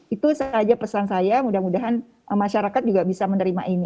itu saja pesan saya mudah mudahan masyarakat juga bisa menerima ini